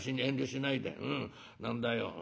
何だよ